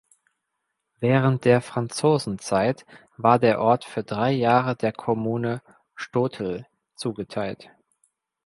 Während der Franzosenzeit war der Ort für drei Jahre der Kommune Stotel zugeteilt.